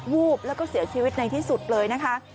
วูบแล้วก็เสียชีวิตในที่สุดเลยนะคะ